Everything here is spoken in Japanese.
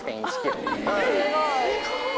すごい！